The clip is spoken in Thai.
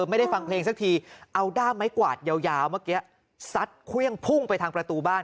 ไม่ได้ฟังเพลงสักทีเอาด้ามไม้กวาดยาวเมื่อกี้ซัดเครื่องพุ่งไปทางประตูบ้าน